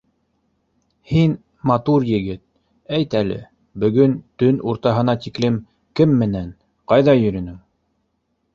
Һин, матур егет, әйт әле, бөгөн төн уртаһына тиклем кем менән, ҡайҙа йөрөнөң?